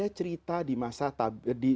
ada cerita di masa tadi